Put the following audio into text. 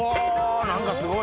何かすごい。